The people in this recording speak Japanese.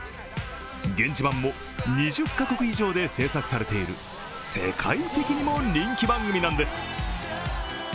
現地版も２０カ国以上で制作されている世界的にも人気番組なんです。